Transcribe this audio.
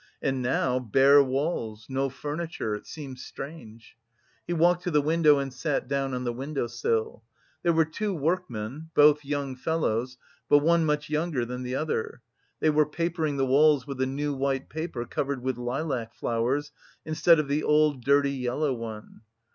And now, bare walls, no furniture; it seemed strange. He walked to the window and sat down on the window sill. There were two workmen, both young fellows, but one much younger than the other. They were papering the walls with a new white paper covered with lilac flowers, instead of the old, dirty, yellow one.